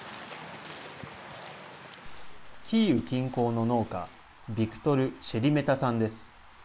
キーウ近郊の農家ビクトル・シェリメタさんです。